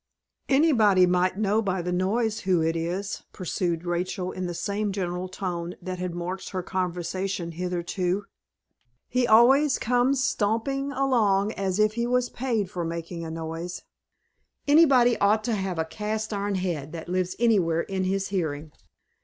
"Anybody might know by the noise who it is," pursued Rachel, in the same general tone that had marked her conversation hitherto. "He always comes stomping along as if he was paid for makin' a noise. Anybody ought to have a cast iron head that lives anywhere in his hearing."